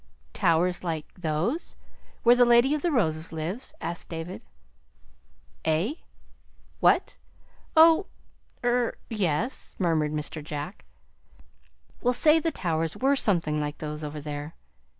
"Towers like those where the Lady of the Roses lives?" asked David. "Eh? What? Oh er yes," murmured Mr. Jack. "We'll say the towers were something like those over there."